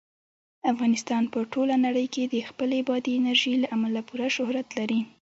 افغانستان په ټوله نړۍ کې د خپلې بادي انرژي له امله پوره شهرت لري.